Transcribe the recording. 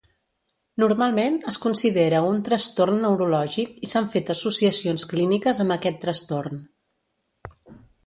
Normalment es considera un trastorn neurològic i s'han fet associacions clíniques amb aquest trastorn.